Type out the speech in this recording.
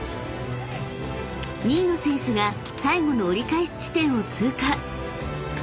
［２位の選手が最後の折り返し地点を通過］